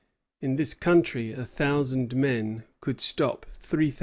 In this country a thousand men could stop three thousand."